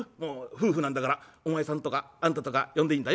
夫婦なんだからお前さんとかあんたとか呼んでいいんだよ」。